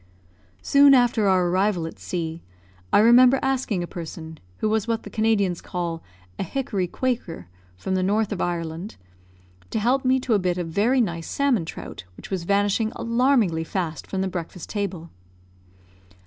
Soon after our arrival at C , I remember asking a person, who was what the Canadians call "a hickory Quaker," from the north of Ireland, to help me to a bit of very nice salmon trout, which was vanishing alarmingly fast from the breakfast table.